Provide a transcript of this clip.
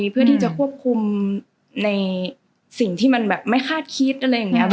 เพื่อที่จะควบคุมในสิ่งที่มันแบบไม่คาดคิดอะไรอย่างนี้